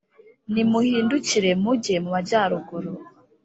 nimuhindukire mujye mu majyaruguru